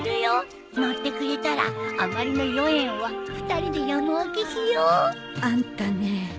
乗ってくれたら余りの４円は２人で山分けしよう！あんたね。